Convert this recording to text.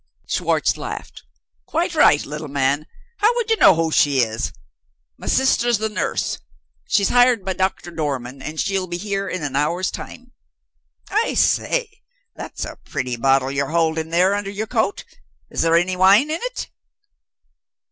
Schwartz laughed. "Quite right, little man, how should you know who she is? My sister's the nurse. She's hired by Doctor Dormann, and she'll be here in an hour's time. I say! that's a pretty bottle you're hiding there under your coat. Is there any wine in it?"